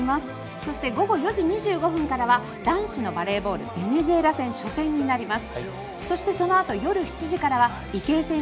そして、午後４時２５分からは男子のバレーボールベネズエラ戦初戦になります。